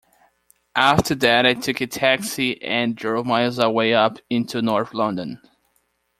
After that I took a taxi and drove miles away up into North London.